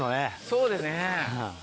そうですね。